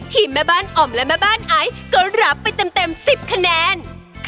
แม่บ้านอ่อมและแม่บ้านไอซ์ก็รับไปเต็ม๑๐คะแนน